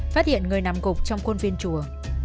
phát hiện người nằm cục trong khuôn viên chùa